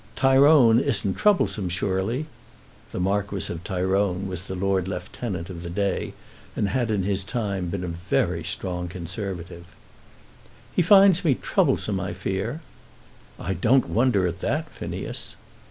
"Tyrone isn't troublesome, surely?" The Marquis of Tyrone was the Lord Lieutenant of the day, and had in his time been a very strong Conservative. "He finds me troublesome, I fear." "I don't wonder at that, Phineas."